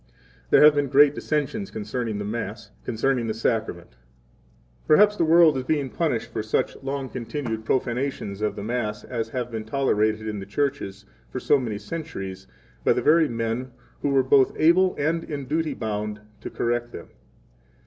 There have been great 17 dissensions concerning the Mass, concerning the Sacrament. 18 Perhaps the world is being punished for such long continued profanations of the Mass as have been tolerated in the churches for so many centuries by the very men who 19 were both able and in duty bound to correct them.